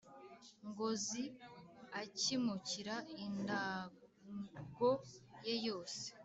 ngozi akimukira i ndago ye yose.